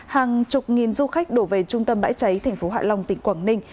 hàng chục nghìn du khách đổ về trung tâm bãi cháy thành phố hạ long tỉnh quảng ninh